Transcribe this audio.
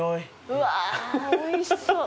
うわーおいしそう。